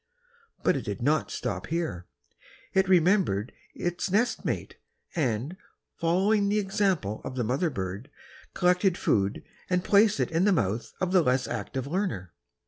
But it did not stop here; it remembered its nest mate, and, following the example of the mother bird, collected food and placed it in the mouth of the less active learner.